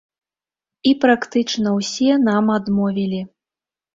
І практычна ўсе нам адмовілі.